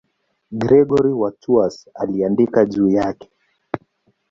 Gregori wa Tours aliandika juu yake.